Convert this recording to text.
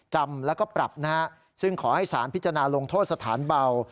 จำแล้วก็ปรับนะฮะซึ่งขอให้สารพิจารณาลงโทษสถานเบา